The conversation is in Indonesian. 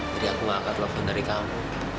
jadi aku gak akan telepon dari kamu